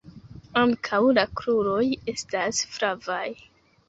Ankaŭ la kruroj estas flavaj.